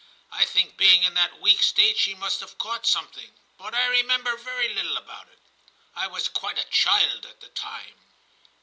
I think being in that weak state she must have caught something, but I remember very little about it. I was quite a child at the time.'